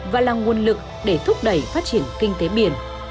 và là nguồn lực để thúc đẩy phát triển kinh tế biển